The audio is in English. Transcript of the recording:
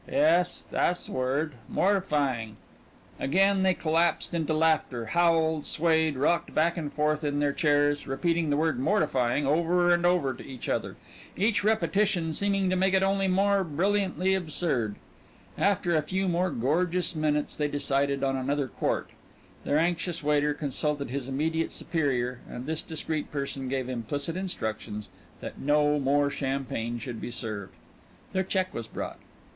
"Yes, tha's word mortifying." Again they collapsed into laughter, howled, swayed, rocked back and forth in their chairs, repeating the word "mortifying" over and over to each other each repetition seeming to make it only more brilliantly absurd. After a few more gorgeous minutes they decided on another quart. Their anxious waiter consulted his immediate superior, and this discreet person gave implicit instructions that no more champagne should be served. Their check was brought.